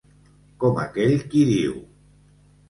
Com aquell qui diu.